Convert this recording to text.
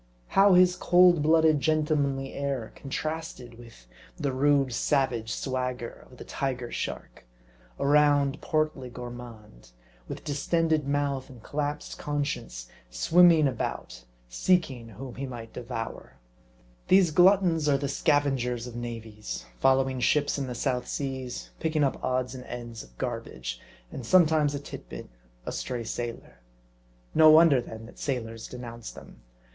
How his cold blooded, gentlemanly air, contrasted with the rude, savage swagger of the Tiger Shark ; a round, portly gourmand ; with distended mouth and collapsed con science, swimming about seeking whom he might devour. \ 56 M A R D I. These gluttons are the scavengers of navies, following ships in the South Seas, picking up odds and ends of garbage, and sometimes a tit bit, a stray sailor. No wonder, then, that sailors denounce them.